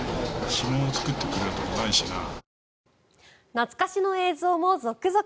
懐かしの映像も続々！